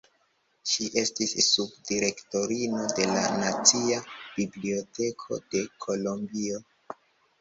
Ŝi estis sub-direktorino de la Nacia Biblioteko de Kolombio.